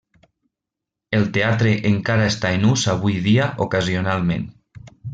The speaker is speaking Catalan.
El teatre encara està en ús avui dia ocasionalment.